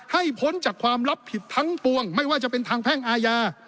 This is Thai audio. พ้นจากความรับผิดทั้งปวงไม่ว่าจะเป็นทางแพ่งอาญา